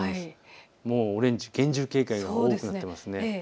オレンジ、厳重警戒が多くなっています。